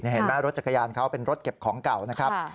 เห็นไหมรถจักรยานเขาเป็นรถเก็บของเก่านะครับ